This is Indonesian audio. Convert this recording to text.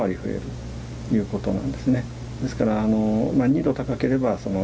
akan meningkatkan risiko kematian akibat kepanasan